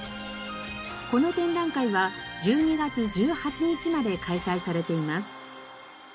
この展覧会は１２月１８日まで開催されています。